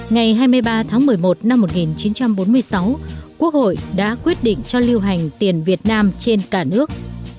ngày hai mươi ba tháng một mươi một năm một nghìn chín trăm bốn mươi sáu quốc hội đã quyết định cho lưu hành tiền việt nam trên cả nước